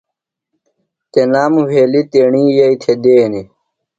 تنام وہیلیۡ تیݨیۡ یئیئۡی تھےۡ دینیۡ۔